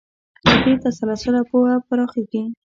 له دې تسلسله پوهه پراخېږي.